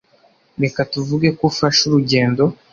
Reka tuvuge ko ufashe urugendo